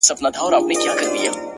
• په دې پردي وطن كي ـ